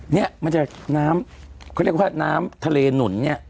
เนี่ยมันจะน้ำเขาเรียกว่าน้ำทะเลหนุนเนี่ย